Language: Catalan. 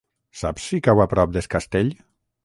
Saps si cau a prop d'Es Castell?